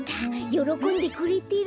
よろこんでくれてる。